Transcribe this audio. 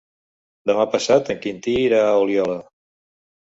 Demà passat en Quintí irà a Oliola.